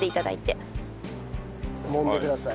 もんでください。